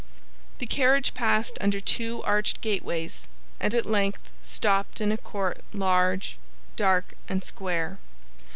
The carriage passed under two arched gateways, and at length stopped in a court large, dark, and square.